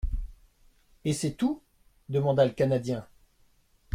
—Et c'est tout ? demanda le Canadien.